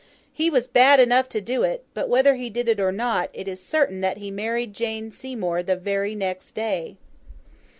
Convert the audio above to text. He was bad enough to do it; but whether he did it or not, it is certain that he married Jane Seymour the very next day.